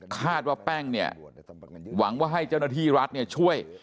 คาดว่าแป้งเนี่ยหวังว่าให้เจ้าหน้าที่รัฐช่วย